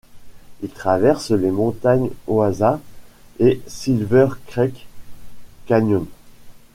Il traverse les montagnes Wasatch et Silver Creek Canyon.